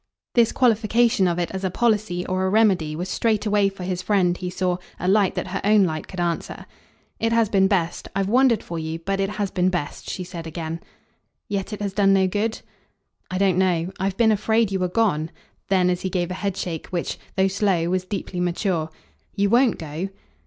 This qualification of it as a policy or a remedy was straightway for his friend, he saw, a light that her own light could answer. "It has been best. I've wondered for you. But it has been best," she said again. "Yet it has done no good?" "I don't know. I've been afraid you were gone." Then as he gave a headshake which, though slow, was deeply mature: "You WON'T go?"